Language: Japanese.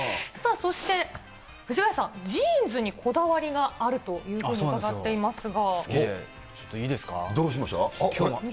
そして、藤ヶ谷さん、ジーンズにこだわりがあるというふうに伺っていますが。